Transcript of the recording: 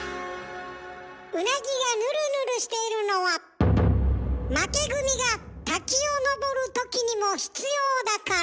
ウナギがヌルヌルしているのは負け組が滝を登るときにも必要だから。